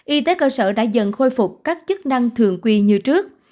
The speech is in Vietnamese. y tế cơ sở đã dần khôi phục các chức năng thường quy như trước